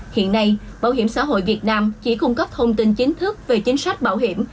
hiện nay bảo hiểm xã hội việt nam chỉ cung cấp thông tin chính thức về chính sách bảo hiểm